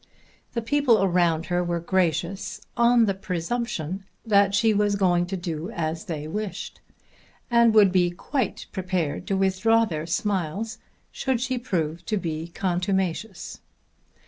The people around her were gracious on the presumption that she was going to do as they wished, and would be quite prepared to withdraw their smiles should she prove to be contumacious.